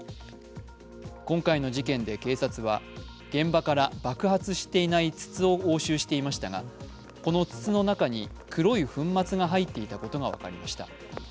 今回の事件で警察は、現場から爆発していない筒を押収していましたが、この筒の中に黒い粉末が入っていたことが分かりました。